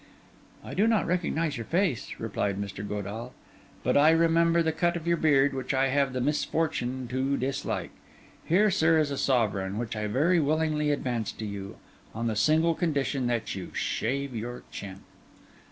'I do not recognise your face,' replied Mr. Godall; 'but I remember the cut of your beard, which I have the misfortune to dislike. Here, sir, is a sovereign; which I very willingly advance to you, on the single condition that you shave your chin.